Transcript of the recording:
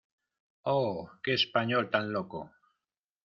¡ oh!... ¡ qué español tan loco !